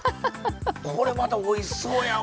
これまたおいしそうやわ。